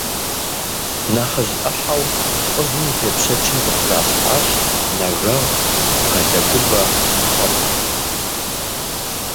Нэхъыжь ӏыхьэу лӏыжьым и тепщэчым къыхуралъхьащ нэгэгъу, бгъэлыгубэ, куэпкъ.